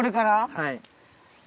はい。